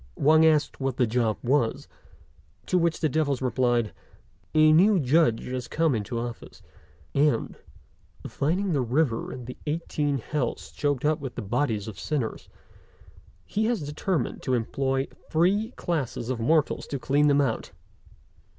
Wang asked what the job was; to which the devils replied, "A new Judge has come into office, and, finding the river and the eighteen hells choked up with the bodies of sinners, he has determined to employ three classes of mortals to clean them out.